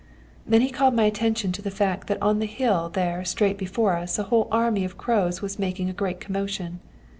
"Then he called my attention to the fact that on the hill there straight before us, a whole army of crows was making a great commotion.